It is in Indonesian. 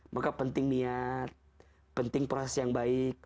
maka penting niat penting proses yang baik